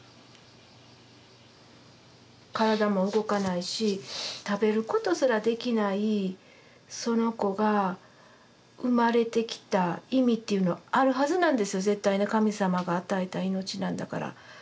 体も動かないし食べることすらできないその子が生まれてきた意味っていうのはあるはずなんですよ絶対神様が与えた命なんだから。